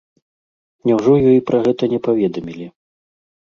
Няўжо ёй пра гэта не паведамілі?